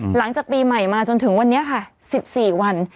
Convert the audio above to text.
หลังจากปีใหม่มาจนถึงวันนี้ค่ะ๑๔วัน